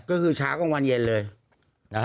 ก็คือเช้ากลางวันเย็นเลยนะฮะ